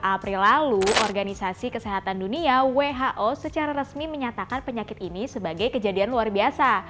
april lalu organisasi kesehatan dunia who secara resmi menyatakan penyakit ini sebagai kejadian luar biasa